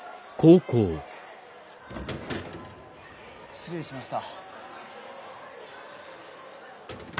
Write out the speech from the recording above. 失礼しました。